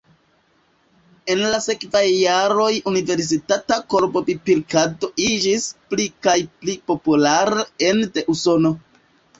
En la sekvaj jaroj universitata korbopilkado iĝis pli kaj pli populara ene de Usono.